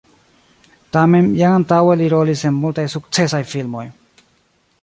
Tamen jam antaŭe li rolis en multaj sukcesaj filmoj.